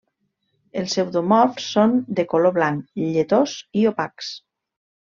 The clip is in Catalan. Els pseudomorfs són de color blanc lletós i opacs.